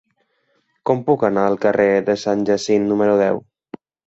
Com puc anar al carrer de Sant Jacint número deu?